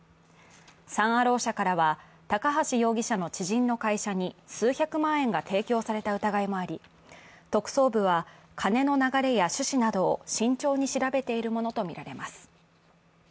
サン・アロー社からは、高橋容疑者の知人の会社に数百万円が提供された疑いもあり、特捜部は金の流れや趣旨などを慎重に調べているものとみられます。